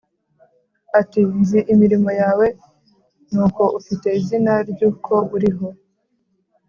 ati ‘Nzi imirimo yawe n’uko ufite izina ry’uko uriho,